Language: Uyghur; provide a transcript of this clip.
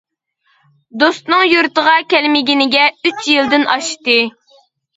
دوستىنىڭ يۇرتىغا كەلمىگىنىگە ئۈچ يىلدىن ئاشتى.